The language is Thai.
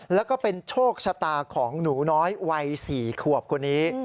แล้วก็เป็นโชคชะตาของหนูน้อยวัย๔ขวบคนนี้